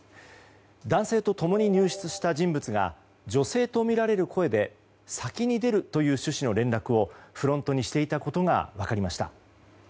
男性と共に入室した人物が女性とみられる声で先に出るという趣旨の連絡をフロントにしていたことが分かりました。